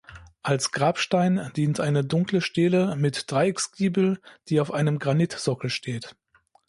Als Grabstein dient eine dunkle Stele mit Dreiecksgiebel, die auf einem Granitsockel steht.